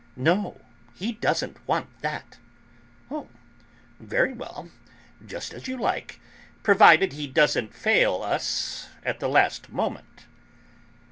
"No, he doesn't want that." "Oh, very well; just as you like. Provided he doesn't fail us at the last moment."